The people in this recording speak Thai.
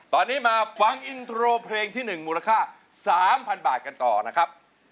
ตอนนี้มาฟังอินโทรเพลงที่๑มูลค่า๓๐๐๐บาทกันต่อนะครับ